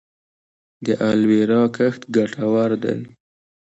د الوویرا کښت ګټور دی؟